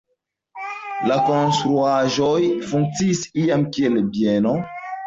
La konstruaĵoj funkciis iam kiel bieno.